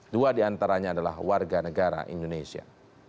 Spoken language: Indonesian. dua diantaranya adalah warga negara indonesia